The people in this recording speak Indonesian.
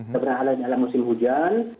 sebenarnya adalah dalam musim hujan